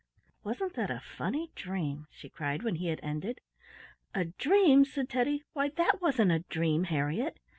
"Wasn't that a funny dream?" she cried when he had ended. "A dream!" said Teddy. "Why, that wasn't a dream, Harriett.